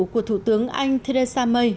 của thủ tướng anh theresa may